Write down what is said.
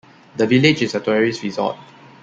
The village is a tourist resort.